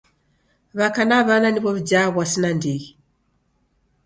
W'aka na w'ana niw'o w'ijaa w'asi nandighi.